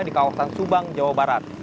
di kawasan subang jawa barat